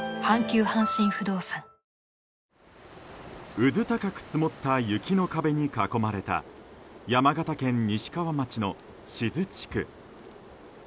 うずたかく積もった雪の壁に囲まれた山形県西山町の志津地区。